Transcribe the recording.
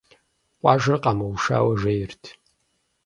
Къуажэр къэмыушауэ жейрт.